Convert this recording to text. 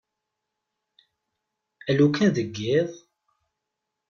Alukan deg yiḍ.